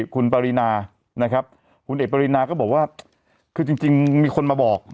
คุณปรินานะครับคุณเอกปรินาก็บอกว่าคือจริงมีคนมาบอก